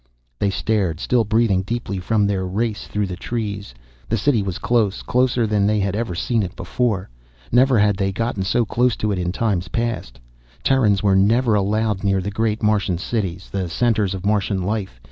They stared, still breathing deeply from their race through the trees. The City was close, closer than they had ever seen it before. Never had they gotten so close to it in times past. Terrans were never allowed near the great Martian cities, the centers of Martian life.